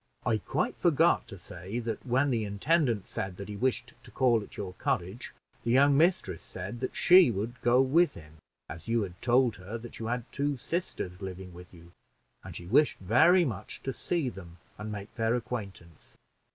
I quite forgot to say, that when the intendant said that he wished to call at your cottage, the young mistress said that she wished to go with him, as you had told her that you had two sisters living with you, and she wished very much to see them and make their acquaintance."